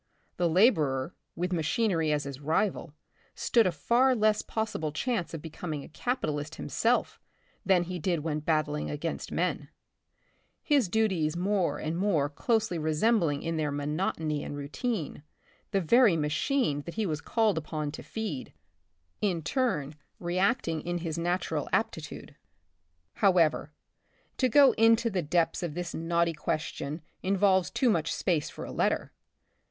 The laborer, with machinery as his rival, stood a far less possible chance of becoming a capitalist himself than he did when battling against men ; his duties more and more closely resembling in their monotony and routine, the very ma chine that he was called on to feed, in turn re acting in his natural aptitude. However, to go into the depths of this knotty question involves too much space for a letter.